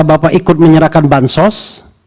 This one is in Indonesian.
bapak ikut menyerahkan bansos